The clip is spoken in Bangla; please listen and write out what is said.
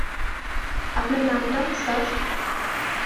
আপনার নামটা, স্যার?